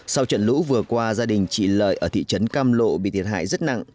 sau trận lũ vừa qua gia đình chị lợi ở thị trấn cam lộ bị thiệt hại rất nặng